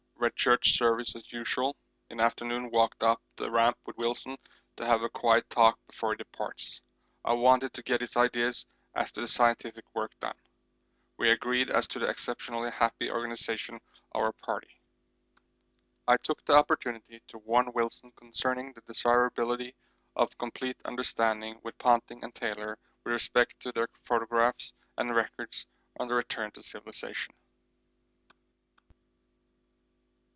Read Church Service as usual; in afternoon walked up the Ramp with Wilson to have a quiet talk before he departs. I wanted to get his ideas as to the scientific work done. We agreed as to the exceptionally happy organisation of our party. I took the opportunity to warn Wilson concerning the desirability of complete understanding with Ponting and Taylor with respect to their photographs and records on their return to civilisation.